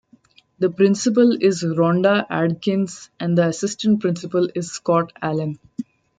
The Principal is Ronda Adkins and the Assistant Principal is Scott Allen.